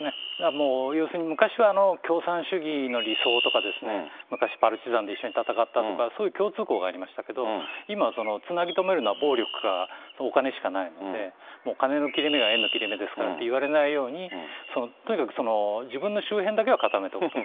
もう昔は共産主義の理想とかですね、昔パルチザンで、一緒に戦ったとか、そういう共通項がありましたけれども、今はつなぎとめるのは暴力かお金しかないので、お金の切れ目が縁の切れ目ですからって言われないように、とにかく自分の周辺だけは固めておくと。